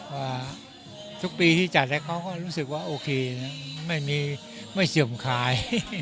ว่าทุกปีที่จัดแท็กเมาส์ก็รู้สึกว่าโอเคนะไม่เสี่ยมขาย